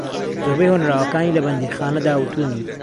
زۆربەی ھۆنراوەکانی لە بەندیخانەدا وتونی